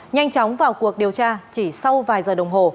nhanh chóng vào cuộc điều tra chỉ sau vài giờ đồng hồ